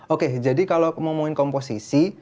oke jadi kalau ngomongin komposisi